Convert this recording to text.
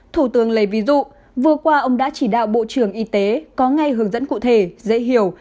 thủ tướng lấy ví dụ vừa qua ông đã chỉ đạo bộ trưởng y tế có ngay hướng dẫn cụ thể dễ hiểu